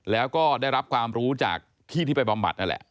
แล้วก็ได้รับความรู้จากพี่ที่ไปบำบัดนั่นแหละ